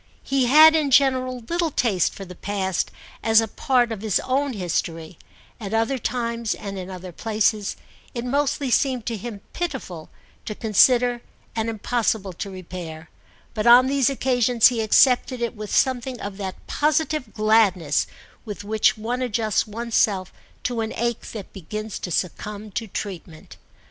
He had in general little taste for the past as a part of his own history; at other times and in other places it mostly seemed to him pitiful to consider and impossible to repair; but on these occasions he accepted it with something of that positive gladness with which one adjusts one's self to an ache that begins to succumb to treatment.